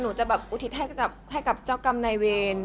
หนูจะอุริจแพทย์กับเจ้าคำในเวร